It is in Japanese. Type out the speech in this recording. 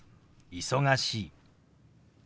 「忙しい」。